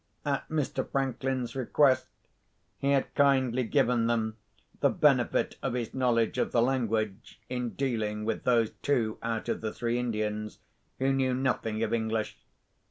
At Mr. Franklin's request, he had kindly given them the benefit of his knowledge of the language, in dealing with those two, out of the three Indians, who knew nothing of English.